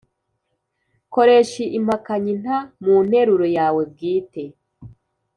Koresha impakanyi nta mu nteruro yawe bwite.